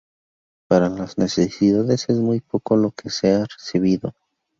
Para las necesidades es muy poco lo que se ha recibido".